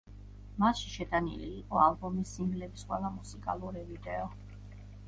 მასში შეტანილი იყო ალბომის სინგლების ყველა მუსიკალური ვიდეო.